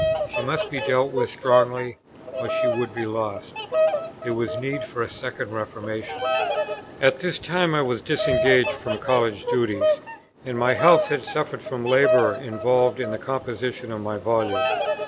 She must be dealt with strongly, or she would be lost. There was need of a second reformation. At this time I was disengaged from College duties, and my health had suffered from the labour involved in the composition of my Volume.